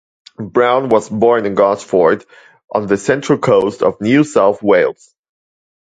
Brown was born in Gosford, on the Central Coast of New South Wales.